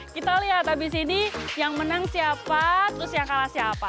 kita lihat abis ini yang menang siapa terus yang kalah siapa